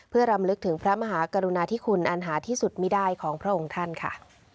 เพื่อรำลึกถึงพระมหากรุณาธิคุณอันหาที่สุดไม่ได้ของพระองค์ท่านค่ะ